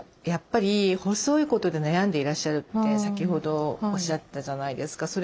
やっぱり細いことで悩んでいらっしゃるって先ほどおっしゃってたじゃないですか。